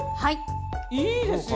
いいですよ！